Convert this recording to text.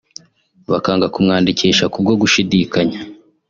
bakanga kumwandikisha ku bwo gushidikanya